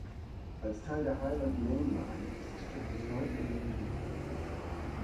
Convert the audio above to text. Als Teil der Highland Main Line ist die Strecke bis heute in Betrieb.